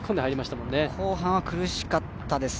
後半は苦しかったですね。